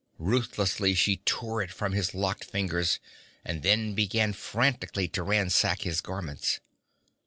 Ruthlessly she tore it from his locked fingers, and then began frantically to ransack his garments.